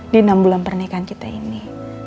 di enam bulan pernikahan kita ini